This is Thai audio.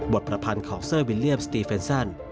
ประพันธ์ขอบเซอร์วิลเลียมสตีเฟนซัน